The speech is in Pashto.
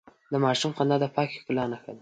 د ماشوم خندا د پاکې ښکلا نښه ده.